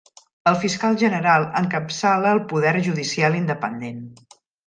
El fiscal general encapçala el poder judicial independent.